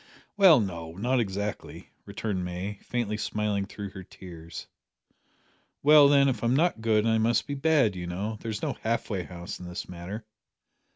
"Well, no not exactly," returned May, faintly smiling through her tears. "Well, then, if I'm not good I must be bad, you know. There's no half way house in this matter."